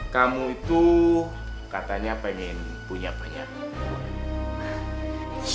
kamu itu katanya pengen punya banyak